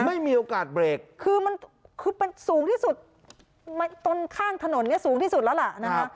ไม่มีโอกาสเบรกคือมันคือมันสูงที่สุดต้นข้างถนนเนี่ยสูงที่สุดแล้วล่ะนะคะ